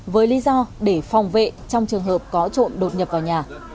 với lý do để phòng vệ trong trường hợp có trộm đột nhập vào nhà